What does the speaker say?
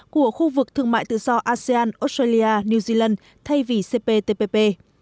của khu vực thương mại tự do asean australia new zealand thay vì cptpp